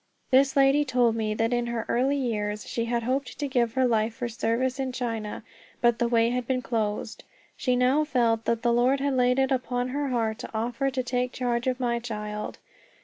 This lady told me that in her early years she had hoped to give her life for service in China, but the way had been closed. She now felt that the Lord had laid it upon her heart to offer to take charge of my child.